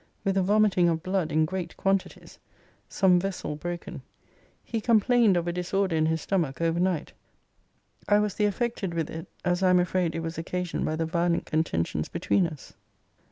With a vomiting of blood in great quantities. Some vessel broken. He complained of a disorder in his stomach over night. I was the affected with it, as I am afraid it was occasioned by the violent contentions between us.